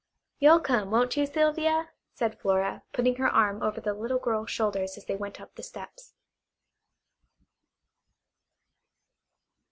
"You'll come, won't you, Sylvia?" said Flora, putting her arm over the little girl's shoulders as they went up the steps.